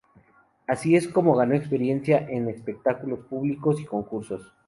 Así es como ganó experiencia en espectáculos públicos y concursos.